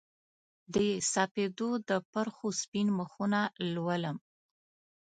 د سپیدو د پرخو سپین مخونه لولم